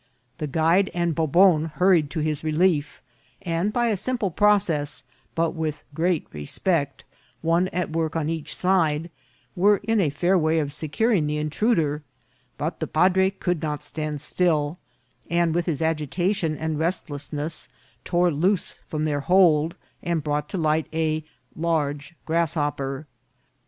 The guide and Bobon hurried to his relief ; and by a simple process, but with great respect, one at work on each side, were in a fair way of securing the intruder ; but the padre could not stand still, and with his agitation and restless ness tore loose from their hold, and brought to light a large grasshopper.